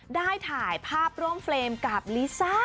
ได้ถ่ายภาพร่วมเฟรมกับลิซ่า